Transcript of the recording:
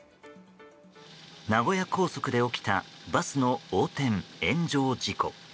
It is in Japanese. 名古屋高速で起きたバスの横転・炎上事故。